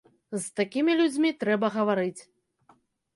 З такімі людзьмі трэба гаварыць.